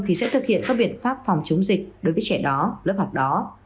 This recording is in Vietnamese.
thì sẽ thực hiện các biện pháp phòng chống dịch đối với trẻ đó lớp học đó